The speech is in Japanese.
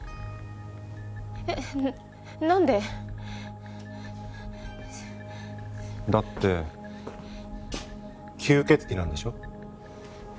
えっなんで？だって吸血鬼なんでしょ？